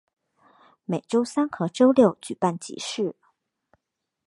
每周三和周六举办集市。